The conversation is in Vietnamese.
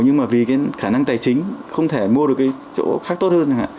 nhưng mà vì cái khả năng tài chính không thể mua được cái chỗ khác tốt hơn